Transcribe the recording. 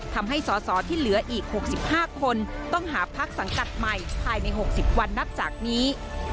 ทำให้สอสอที่เหลืออีก๖๕คนต้องหาพักสังกัดใหม่ภายใน๖๐วันนับจากนี้